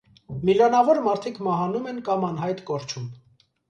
Միլիոնավոր մարդիկ մահանում են կամ անհայտ կորչում։